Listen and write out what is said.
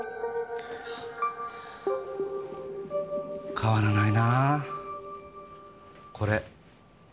変わらないなこれ。